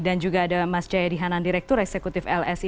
dan juga ada mas jayadi hanan direktur eksekutif lsi